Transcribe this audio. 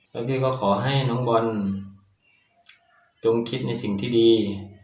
แล้วพี่ก็ขอให้น้องบอลจงคิดในสิ่งที่ดี